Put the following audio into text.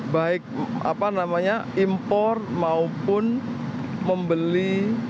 baik apa namanya impor maupun membeli